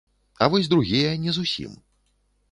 А вось другія не зусім.